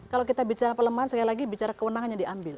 kalau kita bicara pelemahan sekali lagi bicara kewenangannya diambil